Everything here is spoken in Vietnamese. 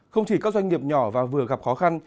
không chỉ các doanh nghiệp nhỏ và vừa gặp khó khăn